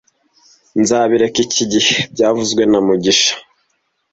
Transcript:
Nzabireka iki gihe byavuzwe na mugisha